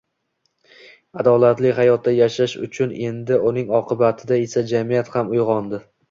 adolatli hayotda yashash uchun edi, uning oqibatida esa jamiyat ham uyg‘ondi.